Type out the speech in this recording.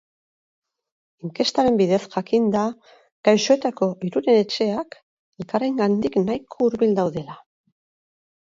Inkestaren bidez jakin da gaixoetako hiruren etxeak elkarrengandik nahiko hurbil daudela.